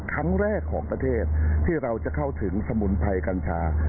ครั้งแรกของประเทศที่เราจะเข้าถึงสมุนไพรกัญชา